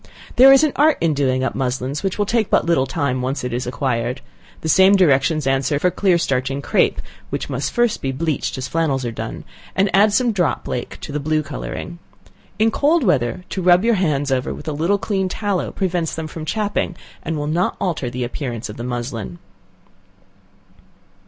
There is an art in doing up muslins, which will take but little time when once it is acquired. The same directions answer for clear starching crape, (which must first be bleached as flannels are done,) and add some drop lake to the blue coloring. In cold weather, to rub your hands over with a little clean tallow prevents them from chapping, and will not alter the appearance of the muslin.